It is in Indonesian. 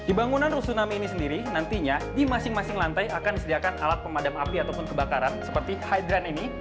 di bangunan rusunami ini sendiri nantinya di masing masing lantai akan disediakan alat pemadam api ataupun kebakaran seperti hydran ini